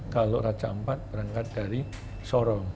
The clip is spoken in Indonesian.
kalau raja ampat berangkat dari sorong